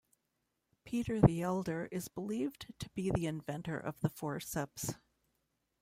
Peter the Elder is believed to be the inventor of the forceps.